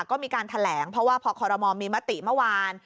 ก็มีการแถลงเพราะว่าพอคอรมอลมีมติเมื่อวาน